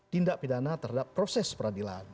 tindak pidana terhadap proses peradilan